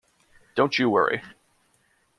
Don't you worry.